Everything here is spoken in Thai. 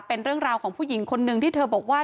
เป็นเรื่องราวของผู้หญิงคนนึงที่เธอบอกว่า